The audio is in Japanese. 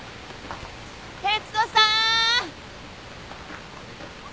哲子さん！